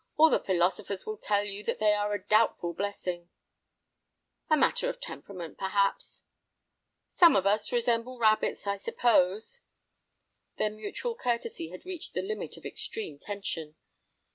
All the philosophers will tell you that they are a doubtful blessing." "A matter of temperament, perhaps." "Some of us resemble rabbits, I suppose." Their mutual courtesy had reached the limit of extreme tension.